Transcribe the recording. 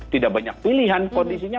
tidak banyak pilihan kondisinya